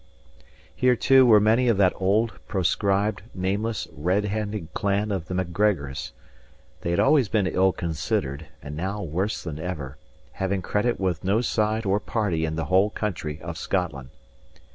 Here, too, were many of that old, proscribed, nameless, red handed clan of the Macgregors. They had always been ill considered, and now worse than ever, having credit with no side or party in the whole country of Scotland.